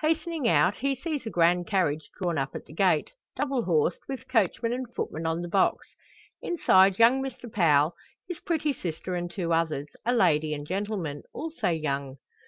Hastening out, he sees a grand carriage drawn up at the gate, double horsed, with coachman and footman on the box; inside young Mr Powell, his pretty sister, and two others a lady and gentleman, also young.